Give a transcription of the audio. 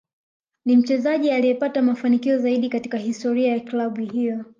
Ni mchezaji aliyepata mafanikio zaidi katika historia ya kilabu hiyo